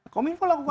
kominfo lakukan itu